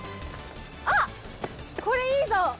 あっ、これいいぞ。